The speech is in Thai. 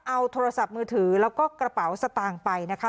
เอาโทรศัพท์มือถือแล้วก็กระเป๋าสตางค์ไปนะคะ